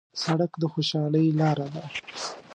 سړک د خوشحالۍ لاره ده.